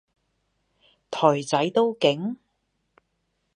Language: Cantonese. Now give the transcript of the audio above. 台仔都勁？